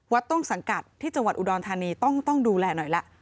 ต้นสังกัดที่จังหวัดอุดรธานีต้องดูแลหน่อยละ